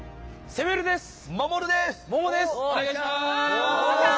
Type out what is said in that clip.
お願いします。